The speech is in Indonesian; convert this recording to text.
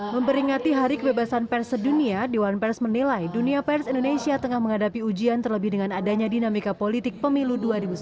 memperingati hari kebebasan pers sedunia dewan pers menilai dunia pers indonesia tengah menghadapi ujian terlebih dengan adanya dinamika politik pemilu dua ribu sembilan belas